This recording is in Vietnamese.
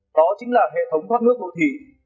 đó chính là hệ thống thoát nước đô thị